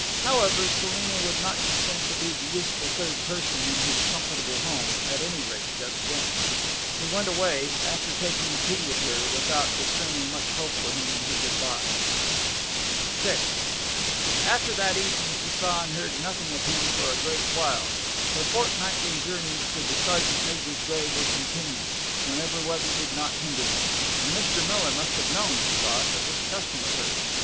However, Selina would not consent to be the useful third person in his comfortable home at any rate just then. He went away, after taking tea with her, without discerning much hope for him in her good bye. VI After that evening she saw and heard nothing of him for a great while. Her fortnightly journeys to the sergeant major's grave were continued, whenever weather did not hinder them; and Mr. Miller must have known, she thought, of this custom of hers.